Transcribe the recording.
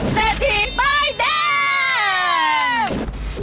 เศรษฐีป้ายแดง